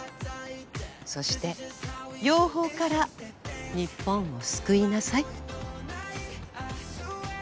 そして養蜂から日本を救いなさい。